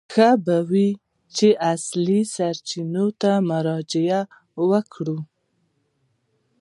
ښه به وي چې اصلي سرچینو ته مراجعه وکړو.